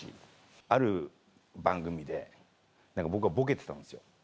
ある番組で僕がボケてたんですよ。